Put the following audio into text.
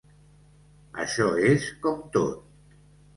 Això és com tot.